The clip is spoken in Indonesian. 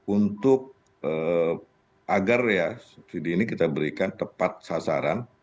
untuk agar ya subsidi ini kita berikan tepat sasaran